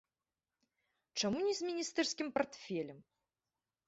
Чаму не з міністэрскім партфелем?